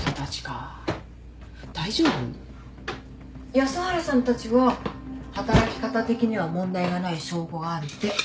安原さんたちは働き方的には問題がない証拠があるって。